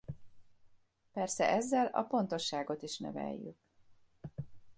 Persze ezzel a pontosságot is növeljük.